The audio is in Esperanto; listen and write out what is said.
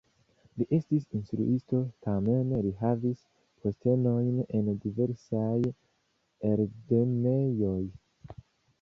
Li estis instruisto, tamen li havis postenojn en diversaj eldonejoj.